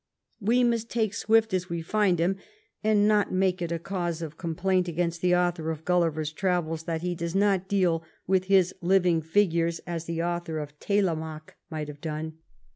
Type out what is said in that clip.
We must take Swift as we find him, and not make it a cause of complaint against the author of Oulliver's Travels that he does not deal with his living figures as the author of Telemaque might have done.